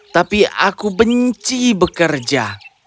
tapi aku benci bekerja